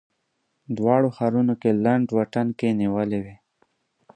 دواړو ښارونو کې لنډ واټن کې نیولې وې.